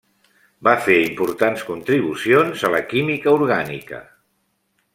Va fer importants contribucions a la química orgànica.